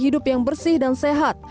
hidup yang bersih dan sehat